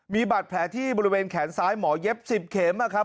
มีบาดแผลที่บริเวณแขนซ้ายหมอเย็บ๑๐เข็มนะครับ